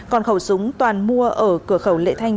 còn khẩu súng toàn mua ở cửa khẩu lệ thanh